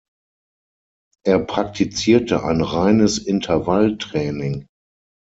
Er praktizierte ein reines Intervall-Training.